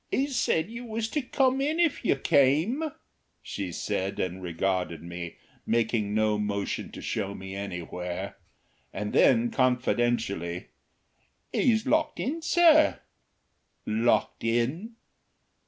"'E said you was to come in if you came," she said, and regarded me, making no motion to show me anywhere. And then, confidentially, "'E's locked in, sir." "Locked in?"